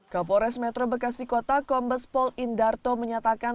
kapolres metro bekasi kota kombes pol indarto menyatakan